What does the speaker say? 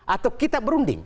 atau kita berunding